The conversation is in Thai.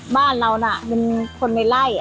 บ้านเราน่ะเป็นคนในไล่